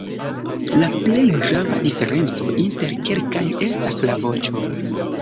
La plej grava diferenco inter kelkaj estas la voĉo.